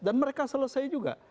dan mereka selesai juga